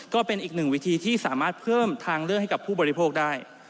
ก็เป็นอีกหนึ่งวิธีที่สามารถเพิ่มทางเลือกให้กับผู้บริโภคได้